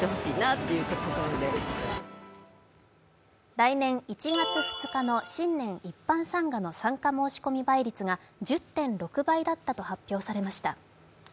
来年１月２日の新年一般参賀の参加申し込み倍率が１０．６倍だったと発表されました。